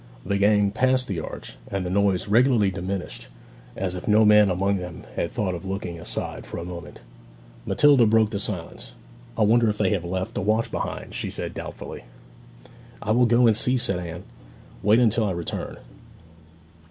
The gang passed the arch, and the noise regularly diminished, as if no man among them had thought of looking aside for a moment. Matilda broke the silence. 'I wonder if they have left a watch behind?' she said doubtfully. 'I will go and see,' said Anne. 'Wait till I return.'